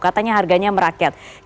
katanya harganya juga tidak semahal itu